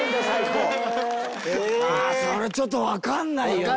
ああそれちょっとわかんないよね。